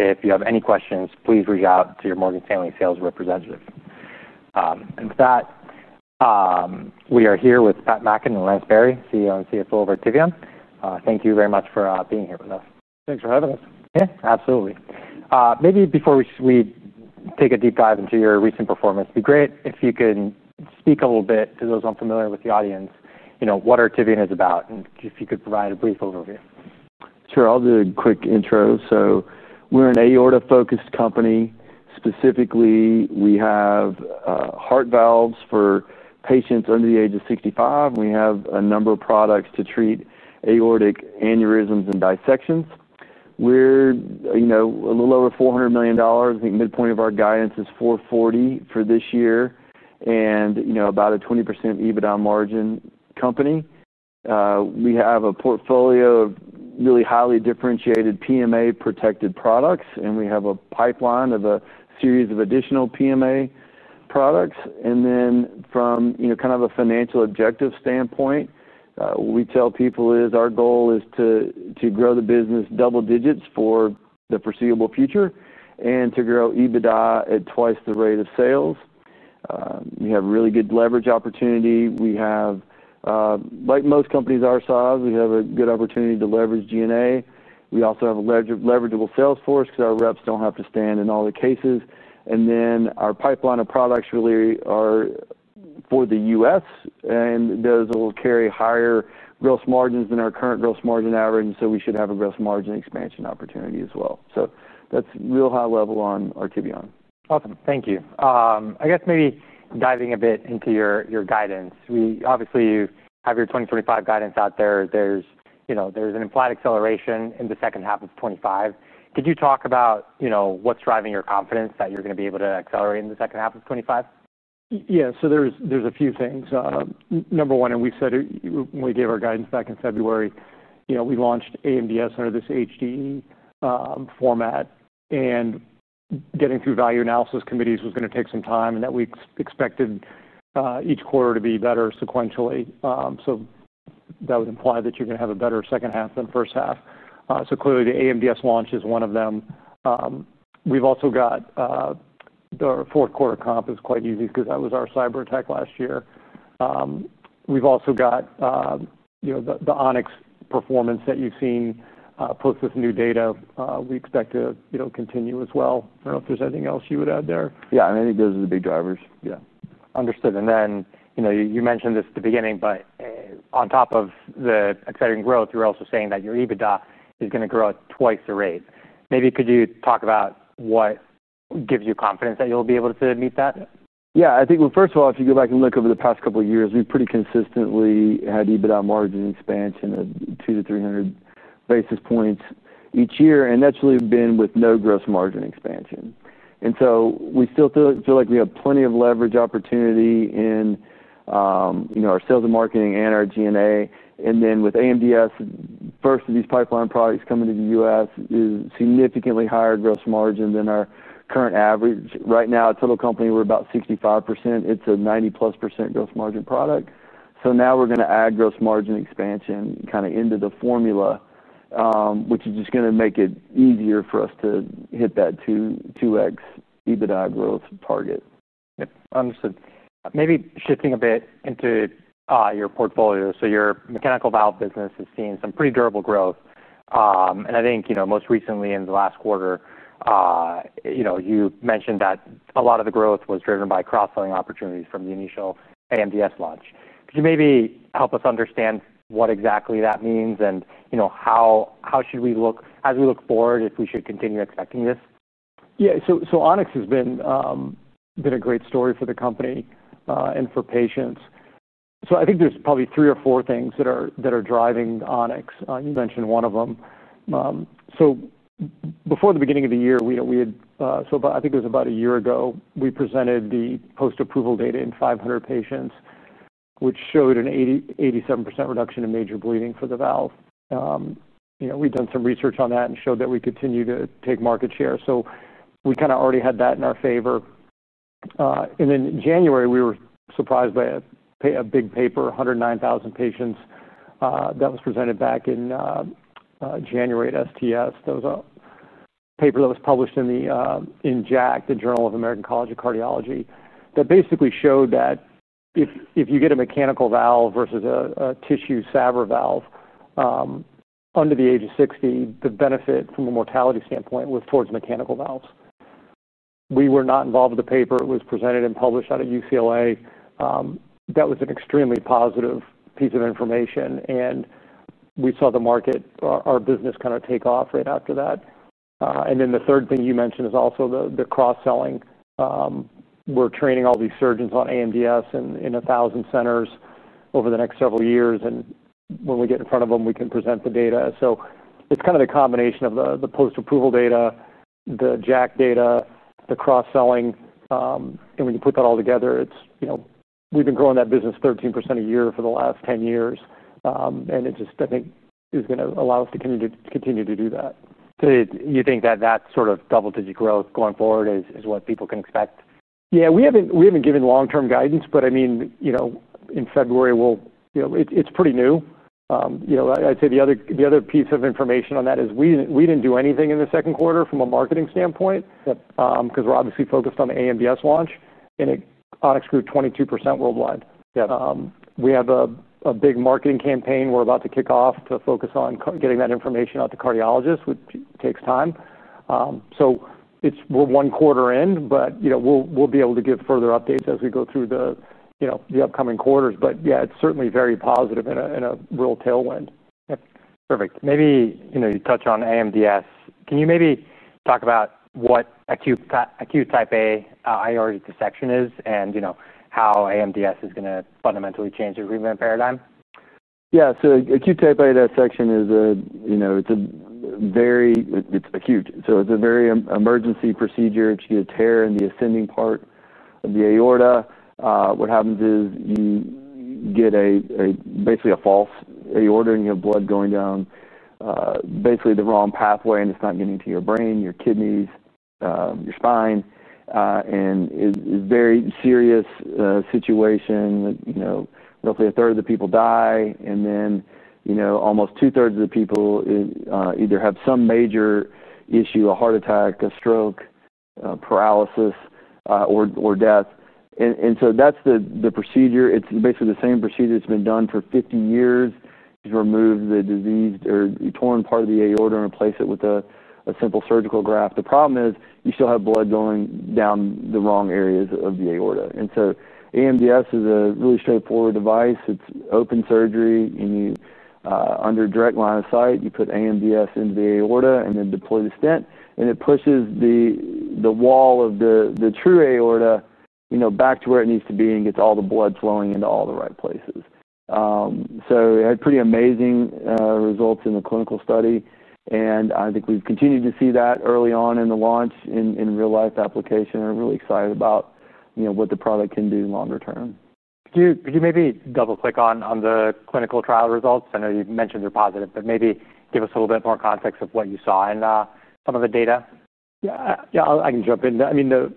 If you have any questions, please reach out to your Morgan Stanley sales representative. We are here with Pat Mackin and Lance Berry, CEO and CFO of Artivion. Thank you very much for being here with us. Thanks for having us. Yeah, absolutely. Maybe before we take a deep dive into your recent performance, it'd be great if you could speak a little bit to those unfamiliar with the audience, you know, what Artivion is about, and if you could provide a brief overview. Sure, I'll do a quick intro. We're an aorta-focused company. Specifically, we have heart valves for patients under the age of 65. We have a number of products to treat aortic aneurysms and dissections. We're a little over $400 million. I think midpoint of our guidance is $440 million for this year, and about a 20% EBITDA margin company. We have a portfolio of really highly differentiated PMA-protected products, and we have a pipeline of a series of additional PMA products. From a financial objective standpoint, what we tell people is our goal is to grow the business double digits for the foreseeable future and to grow EBITDA at twice the rate of sales. You have really good leverage opportunity. We have, like most companies our size, a good opportunity to leverage G&A. We also have a leverageable sales force because our reps don't have to stand in all the cases. Our pipeline of products really are for the U.S. and those will carry higher gross margins than our current gross margin average. We should have a gross margin expansion opportunity as well. That's a real high level on Artivion. Awesome. Thank you. I guess maybe diving a bit into your guidance. We obviously have your 2025 guidance out there. There's an implied acceleration in the second half of 2025. Could you talk about what's driving your confidence that you're going to be able to accelerate in the second half of 2025? Yeah, so there's a few things. Number one, and we said it when we gave our guidance back in February, you know, we launched AMDS under this HDE format, and getting through value analysis committees was going to take some time, and that we expected each quarter to be better sequentially. That would imply that you're going to have a better second half than first half. Clearly, the AMDS launch is one of them. We've also got our fourth quarter comp is quite easy because that was our cyber attack last year. We've also got, you know, the On-X performance that you've seen post this new data. We expect to, you know, continue as well. I don't know if there's anything else you would add there. Yeah, I mean, I think those are the big drivers. Understood. You mentioned this at the beginning, but on top of the exciting growth, you're also saying that your EBITDA is going to grow at twice the rate. Maybe could you talk about what gives you confidence that you'll be able to meet that? I think, first of all, if you go back and look over the past couple of years, we've pretty consistently had EBITDA margin expansion of 200 to 300 basis points each year, and that's really been with no gross margin expansion. We still feel like we have plenty of leverage opportunity in our sales and marketing and our G&A. With AMDS, first of these pipeline products coming to the U.S., it is significantly higher gross margin than our current average. Right now, total company, we're about 65%. It's a 90+% gross margin product. Now we're going to add gross margin expansion into the formula, which is just going to make it easier for us to hit that two legs EBITDA growth target. Yep, understood. Maybe shifting a bit into your portfolio. Your mechanical valve business has seen some pretty durable growth. I think, most recently in the last quarter, you mentioned that a lot of the growth was driven by cross-selling opportunities from the initial AMDS launch. Could you maybe help us understand what exactly that means and how should we look as we look forward if we should continue expecting this? Yeah, so On-X has been a great story for the company and for patients. I think there's probably three or four things that are driving On-X. You mentioned one of them. Before the beginning of the year, we had, I think it was about a year ago, we presented the post-approval data in 500 patients, which showed an 87% reduction in major bleeding for the valve. We'd done some research on that and showed that we continue to take market share. We kind of already had that in our favor. In January, we were surprised by a big paper, 109,000 patients, that was presented back in January at STS. That was a paper that was published in JACC, the Journal of the American College of Cardiology, that basically showed that if you get a mechanical valve versus a tissue saver valve under the age of 60, the benefit from a mortality standpoint was towards mechanical valves. We were not involved with the paper. It was presented and published out of UCLA. That was an extremely positive piece of information. We saw the market, our business, kind of take off right after that. The third thing you mentioned is also the cross-selling. We're training all these surgeons on AMDS in a thousand centers over the next several years. When we get in front of them, we can present the data. It's kind of the combination of the post-approval data, the JACC data, the cross-selling. When you put that all together, we've been growing that business 13% a year for the last 10 years. It just, I think, is going to allow us to continue to do that. Do you think that that sort of double-digit growth going forward is what people can expect? Yeah, we haven't given long-term guidance, but, I mean, you know, in February, it's pretty new. I'd say the other piece of information on that is we didn't do anything in the second quarter from a marketing standpoint because we're obviously focused on the AMDS Hybrid Prosthesis launch. On-X Aortic Heart Valve grew 22% worldwide. We have a big marketing campaign we're about to kick off to focus on getting that information out to cardiologists, which takes time. We're one quarter in, but, you know, we'll be able to give further updates as we go through the upcoming quarters. Yeah, it's certainly very positive and a real tailwind. Perfect. Maybe, you know, you touch on AMDS. Can you maybe talk about what acute type A aortic dissection is and how AMDS has been a fundamentally changing treatment paradigm? Yeah, so acute type A dissection is a, you know, it's a very, it's acute. It's a very emergency procedure. You get a tear in the ascending part of the aorta. What happens is you get basically a false aorta and you have blood going down basically the wrong pathway and it's not getting to your brain, your kidneys, your spine. It's a very serious situation. You know, roughly a third of the people die and then almost two thirds of the people either have some major issue, a heart attack, a stroke, paralysis, or death. That's the procedure. It's basically the same procedure that's been done for 50 years. You remove the diseased or torn part of the aorta and replace it with a simple surgical graft. The problem is you still have blood going down the wrong areas of the aorta. AMDS is a really straightforward device. It's open surgery and you, under direct line of sight, put AMDS into the aorta and then deploy the stent and it pushes the wall of the true aorta back to where it needs to be and gets all the blood flowing into all the right places. It had pretty amazing results in the clinical study. I think we've continued to see that early on in the launch in real life application. I'm really excited about what the product can do longer term. Could you maybe double click on the clinical trial results? I know you mentioned you're positive, but maybe give us a little bit more context of what you saw in some of the data. Yeah, I can jump in. I mean, the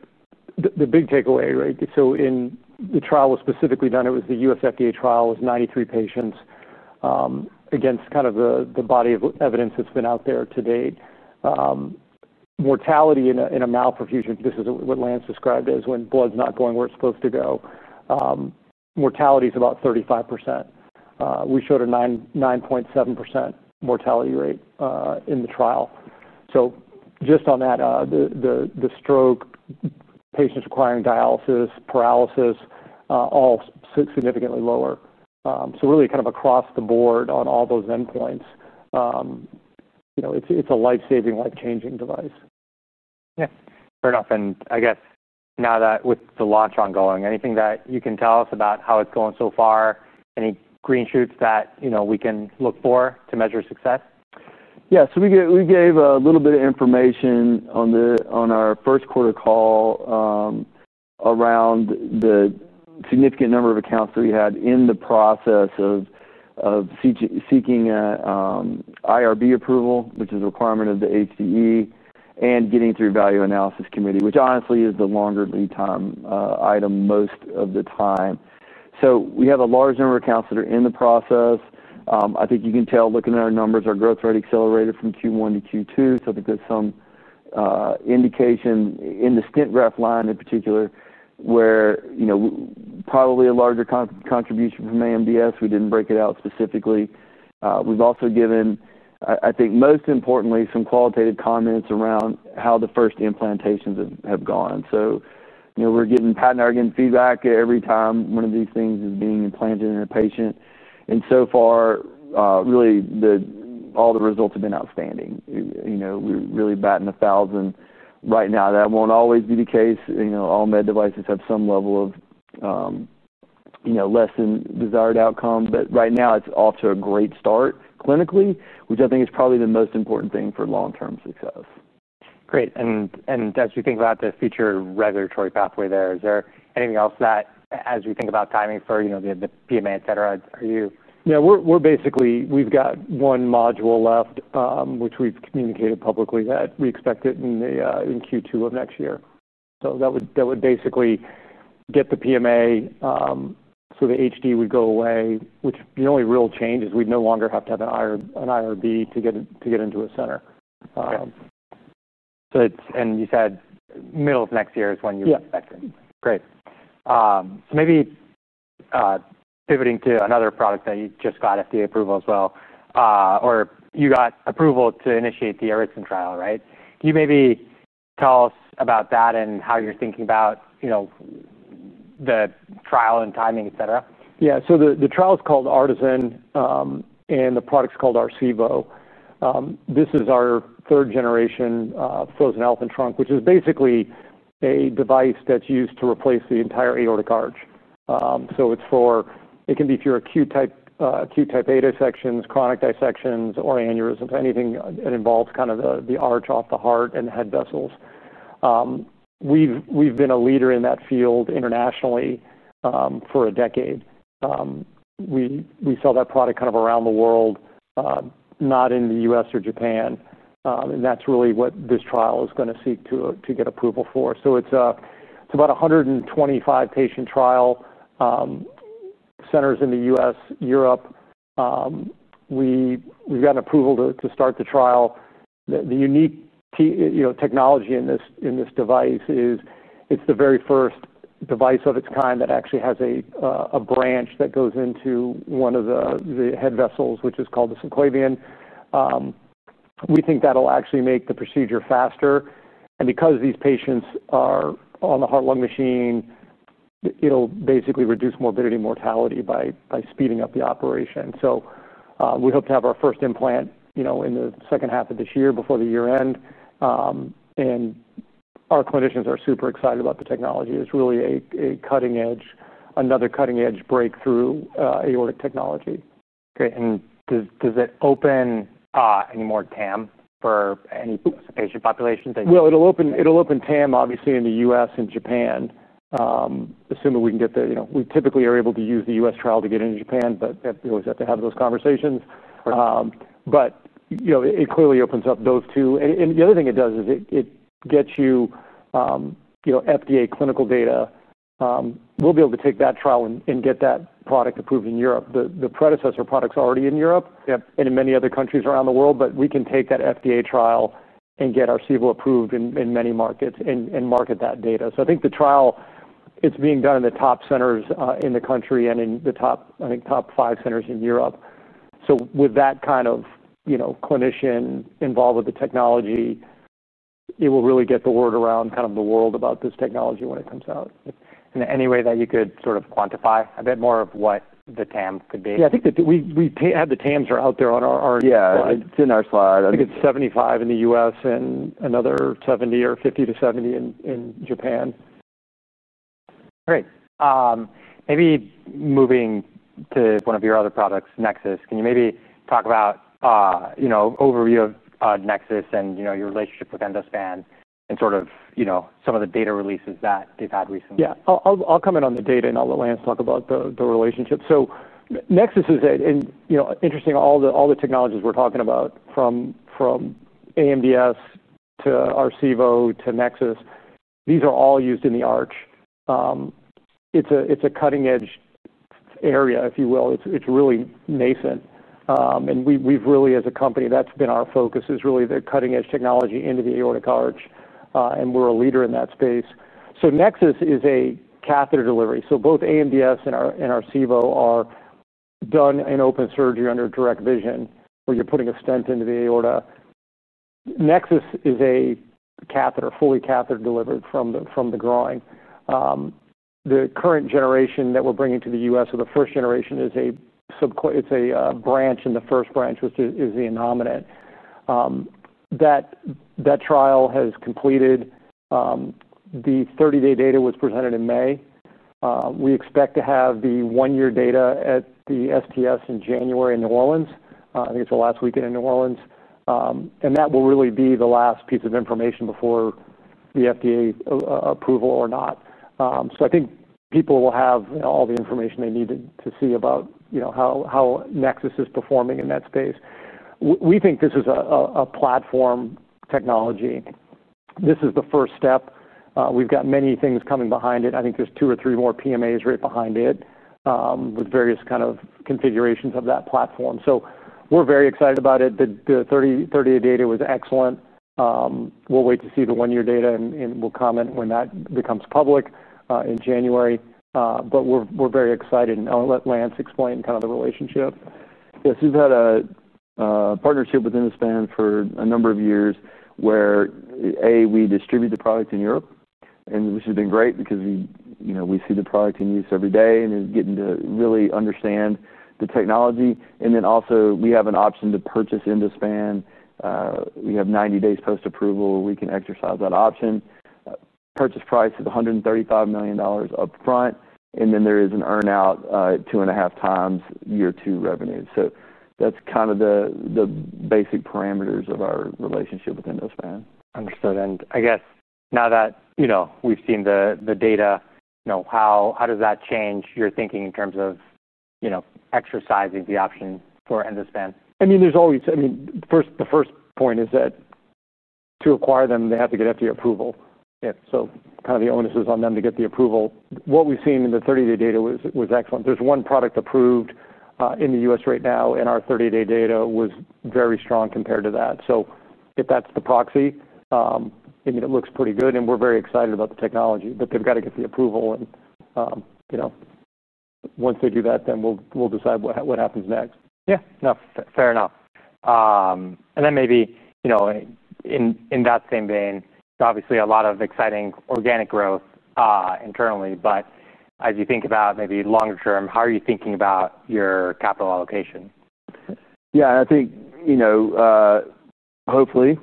big takeaway, right? In the trial, it was specifically done, it was the U.S. FDA trial, was 93 patients against kind of the body of evidence that's been out there to date. Mortality in a malperfusion, this is what Lance described as when blood's not going where it's supposed to go. Mortality is about 35%. We showed a 9.7% mortality rate in the trial. Just on that, the stroke, patients requiring dialysis, paralysis, all significantly lower. Really kind of across the board on all those endpoints, you know, it's a life-saving, life-changing device. Yeah, fair enough. I guess now that with the launch ongoing, anything that you can tell us about how it's going so far? Any green shoots that we can look for to measure success? Yeah, so we gave a little bit of information on our first quarter call around the significant number of accounts that we had in the process of seeking an IRB approval, which is a requirement of the HDE, and getting through value analysis committee, which honestly is the longer lead time item most of the time. We have a large number of accounts that are in the process. I think you can tell looking at our numbers, our growth rate accelerated from Q1 to Q2. I think there's some indication in the stent graft line in particular where, you know, probably a larger contribution from AMDS. We didn't break it out specifically. We've also given, I think most importantly, some qualitative comments around how the first implantations have gone. We're getting patient and feedback every time one of these things is being implanted in a patient. So far, really, all the results have been outstanding. We're really batting a thousand right now. That won't always be the case. All med devices have some level of, you know, less than desired outcome. Right now, it's off to a great start clinically, which I think is probably the most important thing for long-term success. Great. As we think about the future regulatory pathway there, is there anything else that, as we think about timing for the PMA, et cetera, are you? Yeah, we're basically, we've got one module left, which we've communicated publicly that we expect it in Q2 of next year. That would basically get the PMA, so the HDE would go away, which the only real change is we'd no longer have to have an IRB to get into a center. You said middle of next year is when you're expecting. Yeah. Great. Maybe pivoting to another product that you just got FDA approval as well, or you got approval to initiate the Arisan trial, right? Can you maybe tell us about that and how you're thinking about, you know, the trial and timing, et cetera? Yeah, so the trial is called Arisan and the product's called Arsivo. This is our third-generation frozen elephant trunk, which is basically a device that's used to replace the entire aortic arch. It's for, it can be for acute type A dissections, chronic dissections, or aneurysms, anything that involves kind of the arch off the heart and the head vessels. We've been a leader in that field internationally for a decade. We sell that product kind of around the world, not in the U.S. or Japan. That's really what this trial is going to seek to get approval for. It's about a 125-patient trial, centers in the U.S., Europe. We've gotten approval to start the trial. The unique technology in this device is it's the very first device of its kind that actually has a branch that goes into one of the head vessels, which is called the subclavian. We think that'll actually make the procedure faster. Because these patients are on the heart-lung machine, it'll basically reduce morbidity and mortality by speeding up the operation. We hope to have our first implant in the second half of this year before the year end. Our clinicians are super excited about the technology. It's really a cutting-edge, another cutting-edge breakthrough aortic technology. Does it open any more TAM for any patient population? It'll open TAM obviously in the U.S. and Japan, assuming we can get the, you know, we typically are able to use the U.S. trial to get into Japan, but we always have to have those conversations. It clearly opens up those two. The other thing it does is it gets you, you know, FDA clinical data. We'll be able to take that trial and get that product approved in Europe. The predecessor product's already in Europe and in many other countries around the world, but we can take that FDA trial and get Arsivo approved in many markets and market that data. I think the trial, it's being done in the top centers in the country and in the top, I think, top five centers in Europe. With that kind of, you know, clinician involved with the technology, it will really get the word around kind of the world about this technology when it comes out. there any way that you could sort of quantify a bit more of what the TAM could be? Yeah, I think that we have the TAMs are out there on our slide. Yeah, it's in our slide. I think it's 75 in the U.S. and another 70 or 50 to 70 in Japan. Great. Maybe moving to one of your other products, Nexus, can you maybe talk about, you know, overview of Nexus and your relationship with Endospan and sort of some of the data releases that they've had recently? Yeah, I'll come in on the data and I'll let Lance talk about the relationship. Nexus is, and you know, interesting, all the technologies we're talking about from AMDS to Arsivo to Nexus, these are all used in the arch. It's a cutting-edge area, if you will. It's really nascent. We've really, as a company, that's been our focus, is really the cutting-edge technology into the aortic arch. We're a leader in that space. Nexus is a catheter delivery. Both AMDS and Arsivo are done in open surgery under direct vision where you're putting a stent into the aorta. Nexus is a catheter, fully catheter delivered from the groin. The current generation that we're bringing to the U.S., or the first generation, is a branch in the first branch, which is the innominate. That trial has completed. The 30-day data was presented in May. We expect to have the one-year data at the STS in January in New Orleans. I think it's the last weekend in New Orleans. That will really be the last piece of information before the FDA approval or not. I think people will have all the information they need to see about, you know, how Nexus is performing in that space. We think this is a platform technology. This is the first step. We've got many things coming behind it. I think there's two or three more PMAs right behind it with various kind of configurations of that platform. We're very excited about it. The 30-day data was excellent. We'll wait to see the one-year data and we'll comment when that becomes public in January. We're very excited. I'll let Lance explain kind of the relationship. Yeah, so we've had a partnership with Endospan for a number of years where, A, we distribute the product in Europe, which has been great because we see the product in use every day and are getting to really understand the technology. We also have an option to purchase Endospan. We have 90 days post-approval where we can exercise that option. Purchase price of $135 million upfront, and then there is an earnout two and a half times year two revenue. That's kind of the basic parameters of our relationship with Endospan. Understood. I guess now that we've seen the data, how does that change your thinking in terms of exercising the option for Endospan? The first point is that to acquire them, they have to get FDA approval. The onus is on them to get the approval. What we've seen in the 30-day data was excellent. There's one product approved in the U.S. right now, and our 30-day data was very strong compared to that. If that's the proxy, it looks pretty good, and we're very excited about the technology, but they've got to get the approval. Once they do that, then we'll decide what happens next. Yeah, no, fair enough. Maybe, you know, in that same vein, obviously a lot of exciting organic growth internally, but as you think about maybe longer term, how are you thinking about your capital allocation? Yeah, I think, hopefully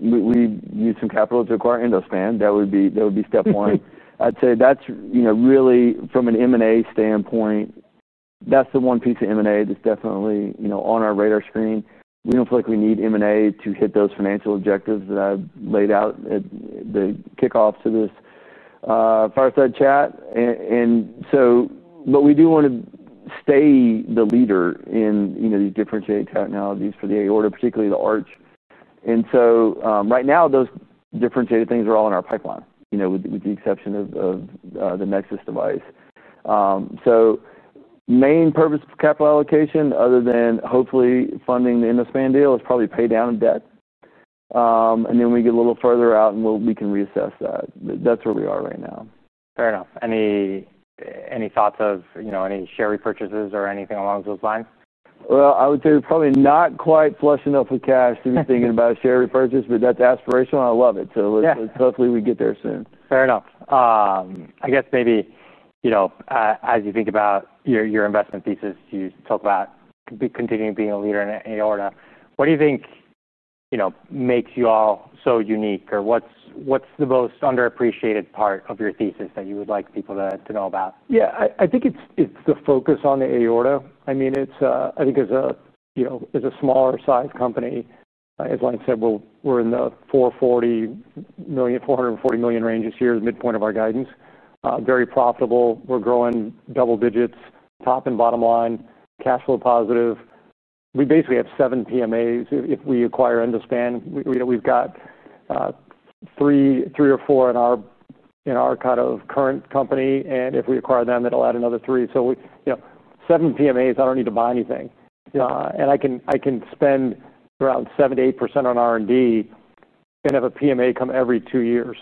we need some capital to acquire Endospan. That would be step one. I'd say that's really from an M&A standpoint, that's the one piece of M&A that's definitely on our radar screen. We don't feel like we need M&A to hit those financial objectives that I laid out at the kickoff to this fireside chat. We do want to stay the leader in these differentiated technologies for the aorta, particularly the arch. Right now, those differentiated things are all in our pipeline, with the exception of the Nexus device. The main purpose for capital allocation, other than hopefully funding the Endospan deal, is probably pay down debt. We get a little further out and we can reassess that. That's where we are right now. Fair enough. Any thoughts of, you know, any share repurchases or anything along those lines? I would say it's probably not quite flush enough with cash to be thinking about a share repurchase, but that's aspirational. I love it. Let's hopefully we get there soon. Fair enough. I guess maybe, as you think about your investment thesis, you talk about continuing being a leader in aorta. What do you think makes you all so unique, or what's the most underappreciated part of your thesis that you would like people to know about? Yeah, I think it's the focus on the aorta. I mean, I think as a smaller size company, as Lance said, we're in the $440 million range this year as midpoint of our guidance. Very profitable. We're growing double digits, top and bottom line, cash flow positive. We basically have seven PMAs if we acquire Endospan. We've got three or four in our kind of current company, and if we acquire them, it'll add another three. Seven PMAs, I don't need to buy anything. I can spend around 7% to 8% on R&D and have a PMA come every two years.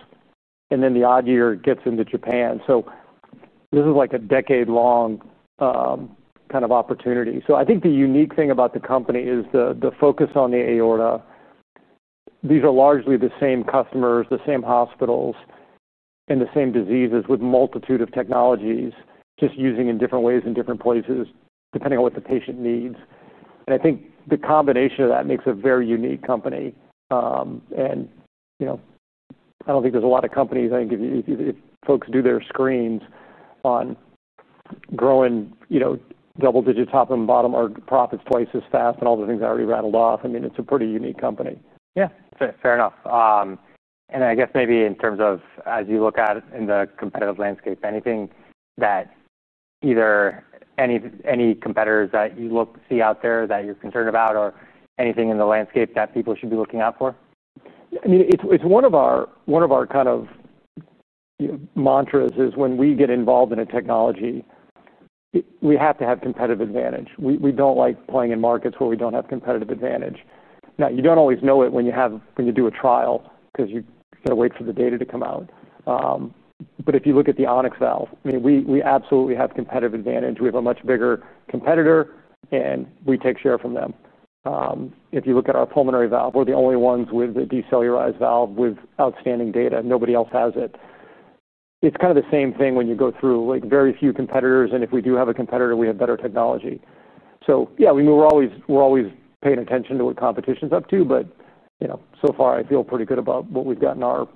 The odd year gets into Japan. This is like a decade-long kind of opportunity. I think the unique thing about the company is the focus on the aorta. These are largely the same customers, the same hospitals, and the same diseases with a multitude of technologies, just using in different ways in different places, depending on what the patient needs. I think the combination of that makes a very unique company. I don't think there's a lot of companies. I think if folks do their screens on growing, you know, double digit top and bottom or profits twice as fast and all the things I already rattled off, I mean, it's a pretty unique company. Yeah, fair enough. I guess maybe in terms of as you look at it in the competitive landscape, anything that either any competitors that you see out there that you're concerned about, or anything in the landscape that people should be looking out for? I mean, it's one of our kind of mantras is when we get involved in a technology, we have to have competitive advantage. We don't like playing in markets where we don't have competitive advantage. Now, you don't always know it when you do a trial because you got to wait for the data to come out. If you look at the On-X Aortic Heart Valve, I mean, we absolutely have competitive advantage. We have a much bigger competitor and we take share from them. If you look at our pulmonary valve, we're the only ones with a decellularized valve with outstanding data. Nobody else has it. It's kind of the same thing when you go through like very few competitors. If we do have a competitor, we have better technology. Yeah, I mean, we're always paying attention to what competition's up to, but you know, so far I feel pretty good about what we've got in our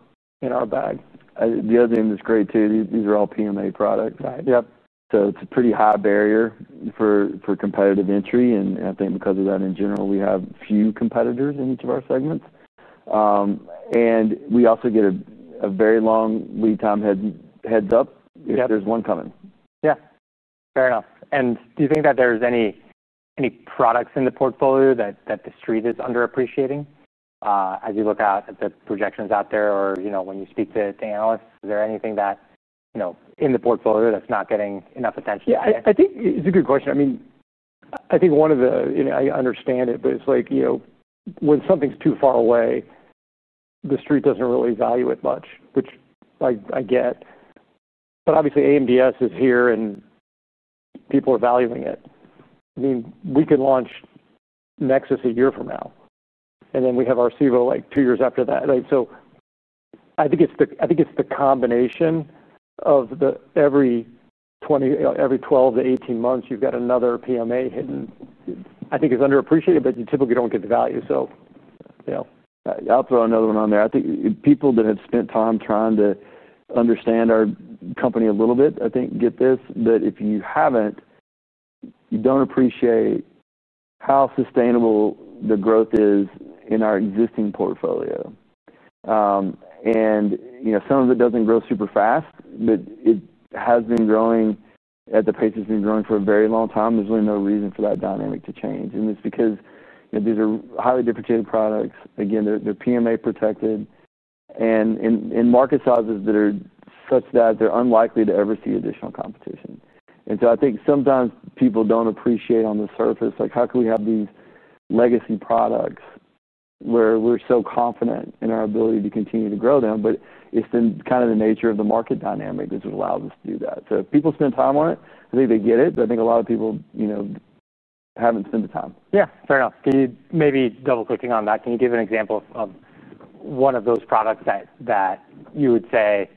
bag. The other thing that's great too, these are all PMA products. Right, yep. It's a pretty high barrier for competitive entry. I think because of that, in general, we have few competitors in each of our segments, and we also get a very long lead time heads up if there's one coming. Yeah, fair enough. Do you think that there's any products in the portfolio that the street is underappreciating as you look out at the projections out there or, you know, when you speak to the analysts? Is there anything that, you know, in the portfolio that's not getting enough attention? Yeah, I think it's a good question. I mean, I think one of the, you know, I understand it, but it's like, you know, when something's too far away, the street doesn't really value it much, which I get. Obviously, AMDS is here and people are valuing it. I mean, we could launch Nexus a year from now and then we have Arsivo like two years after that, right? I think it's the combination of the every 12 to 18 months, you've got another PMA hidden. I think it's underappreciated, but you typically don't get the value. I'll throw another one on there. I think people that have spent time trying to understand our company a little bit, I think get this, that if you haven't, you don't appreciate how sustainable the growth is in our existing portfolio. Some of it doesn't grow super fast, but it has been growing at the pace it's been growing for a very long time. There's really no reason for that dynamic to change. It's because these are highly differentiated products. Again, they're PMA-protected and in market sizes that are such that they're unlikely to ever see additional competition. I think sometimes people don't appreciate on the surface, like how can we have these legacy products where we're so confident in our ability to continue to grow them, but it's been kind of the nature of the market dynamic is what allows us to do that. If people spend time on it, I think they get it, but I think a lot of people haven't spent the time. Yeah, fair enough. Can you maybe double click on that? Can you give an example of one of those products that you would say,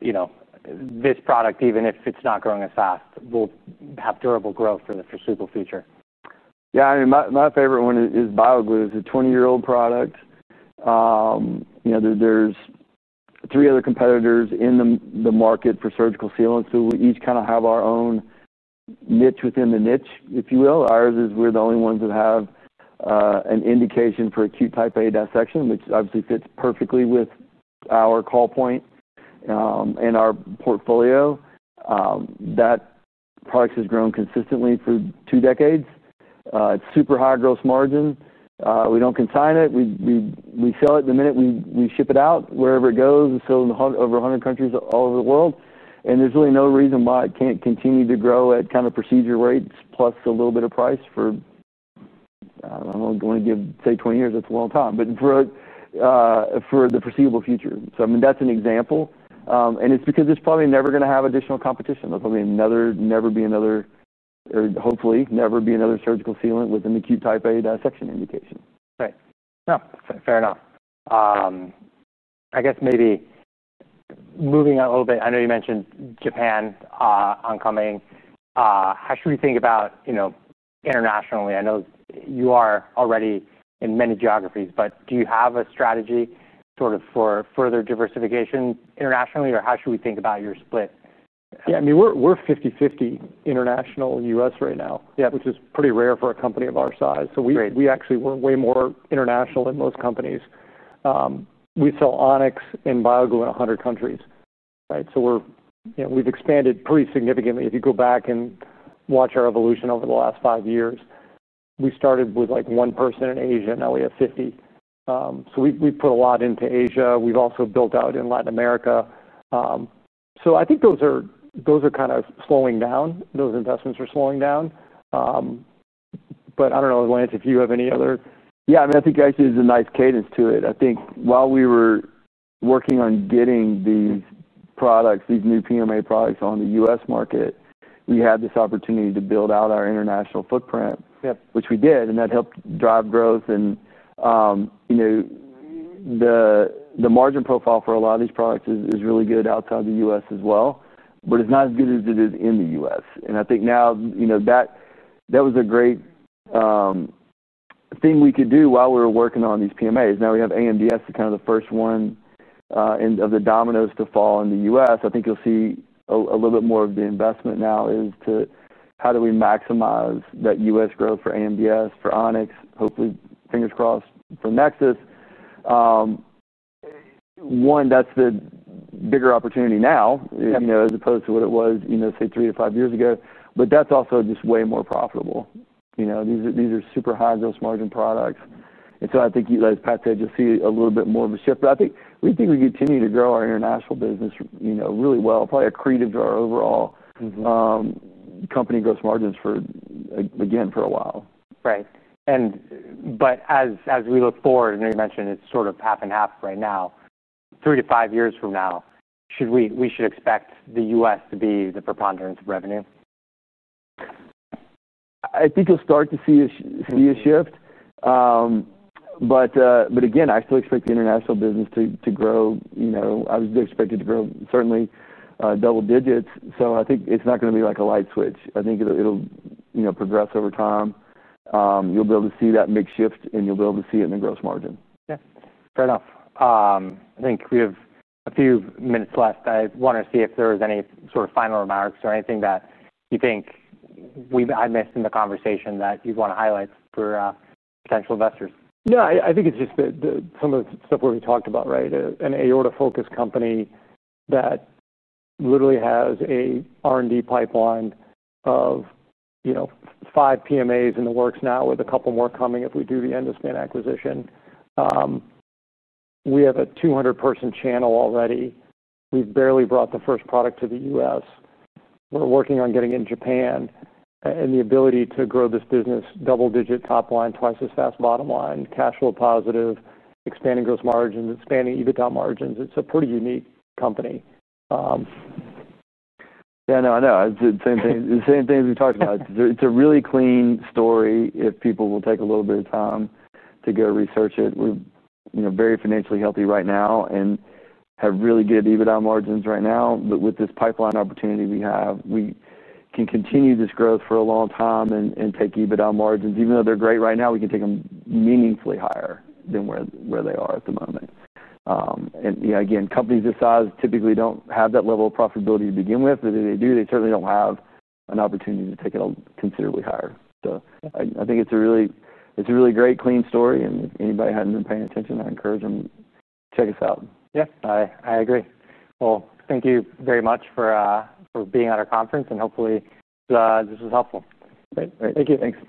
you know, this product, even if it's not growing as fast, will have durable growth for the foreseeable future? Yeah, I mean, my favorite one is BioGlue. It's a 20-year-old product. You know, there's three other competitors in the market for surgical sealants, so we'll each kind of have our own niche within the niche, if you will. Ours is we're the only ones that have an indication for acute type A dissection, which obviously fits perfectly with our call point and our portfolio. That product has grown consistently for two decades. It's super high gross margin. We don't consign it. We sell it the minute we ship it out, wherever it goes. It's sold in over 100 countries all over the world. There's really no reason why it can't continue to grow at kind of procedure rates plus a little bit of price for, I don't know, I'm going to say, 20 years. That's a long time, but for the foreseeable future. I mean, that's an example. It's because it's probably never going to have additional competition. There'll probably never be another, or hopefully never be another surgical sealant with an acute type A dissection indication. Right. No, fair enough. I guess maybe moving out a little bit, I know you mentioned Japan oncoming. How should we think about, you know, internationally? I know you are already in many geographies, but do you have a strategy sort of for further diversification internationally, or how should we think about your split? Yeah, I mean, we're 50-50 international and U.S. right now, which is pretty rare for a company of our size. We actually, we're way more international than most companies. We sell On-X and BioGlue in 100 countries, right? We've expanded pretty significantly. If you go back and watch our evolution over the last five years, we started with like one person in Asia. Now we have 50. We've put a lot into Asia. We've also built out in Latin America. I think those are kind of slowing down. Those investments are slowing down. I don't know, Lance, if you have any other. Yeah, I mean, I think actually there's a nice cadence to it. I think while we were working on getting these products, these new PMA products on the U.S. market, we had this opportunity to build out our international footprint, which we did, and that helped drive growth. You know, the margin profile for a lot of these products is really good outside the U.S. as well, but it's not as good as it is in the U.S. I think now that was a great thing we could do while we were working on these PMAs. Now we have AMDS, kind of the first one of the dominoes to fall in the U.S. I think you'll see a little bit more of the investment now is to how do we maximize that U.S. growth for AMDS, for On-X, hopefully fingers crossed for Nexus. One, that's the bigger opportunity now, as opposed to what it was, say three to five years ago. That's also just way more profitable. These are super high gross margin products. I think you guys have to just see a little bit more of a shift. I think we continue to grow our international business really well, probably accretive to our overall company gross margins for, again, for a while. Right. As we look forward, I know you mentioned it's sort of half and half right now. Three to five years from now, should we expect the U.S. to be the preponderance of revenue? I think you'll start to see a shift. Again, I still expect the international business to grow. I would expect it to grow certainly double digits. I think it's not going to be like a light switch. I think it'll progress over time. You'll be able to see that mix shift and you'll be able to see it in the gross margin. Yeah, fair enough. I think we have a few minutes left. I want to see if there is any sort of final remarks or anything that you think we've missed in the conversation that you'd want to highlight for potential investors. Yeah, I think it's just that some of the stuff we talked about, right? An aorta-focused company that literally has an R&D pipeline of, you know, five PMAs in the works now with a couple more coming if we do the Endospan acquisition. We have a 200-person channel already. We've barely brought the first product to the U.S. We're working on getting it in Japan, and the ability to grow this business double digit top line, twice as fast bottom line, cash flow positive, expanding gross margins, expanding EBITDA margins. It's a pretty unique company. Yeah, no, I know. It's the same thing. The same thing we talked about. It's a really clean story if people will take a little bit of time to go research it. We're very financially healthy right now and have really good EBITDA margins right now. With this pipeline opportunity we have, we can continue this growth for a long time and take EBITDA margins, even though they're great right now, we can take them meaningfully higher than where they are at the moment. Companies this size typically don't have that level of profitability to begin with. If they do, they certainly don't have an opportunity to take it considerably higher. I think it's a really, it's a really great clean story. Anybody who hasn't been paying attention, I encourage them to check us out. Yeah, I agree. Thank you very much for being at our conference, and hopefully this was helpful. Great. Thank you.